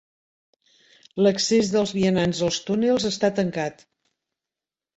L'accés dels vianants als túnels està tancat.